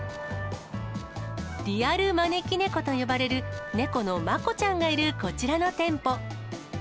リアル招き猫と呼ばれる、猫のマコちゃんがいるこちらの店舗。